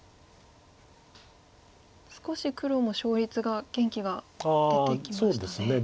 少し黒も勝率が元気が出てきましたね。